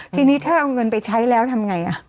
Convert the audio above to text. ทีนี้ถ้าเอาเงินไปใช้แล้วทำไง